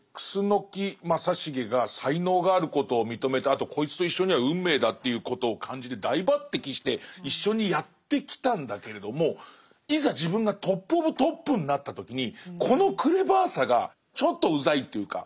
楠木正成が才能があることを認めたあとこいつと一緒には運命だということを感じて大抜てきして一緒にやってきたんだけれどもいざ自分がトップオブトップになった時にこのクレバーさがちょっとうざいというか。